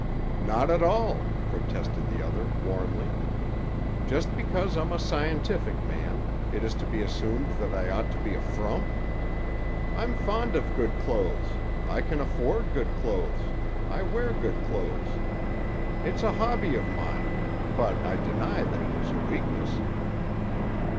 "Not at all!" protested the other warmly. "Just because I'm a scientific man, is it to be assumed that I ought to be a frump? I'm fond of good clothes; I can afford good clothes; I wear good clothes. It's a hobby of mine; but I deny that it is a weakness."